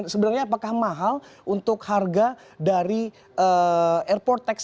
sebenarnya apakah mahal untuk harga dari airport tax